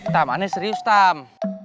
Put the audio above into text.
tamannya serius tam